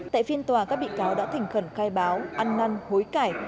tại phiên tòa các bị cáo đã thành khẩn khai báo ăn năn hối cải